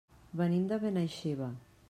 Venim de Benaixeve.